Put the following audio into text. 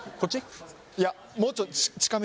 いやもうちょっと近め？